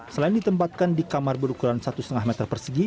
selain ditempatkan di kamar berukuran satu lima meter persegi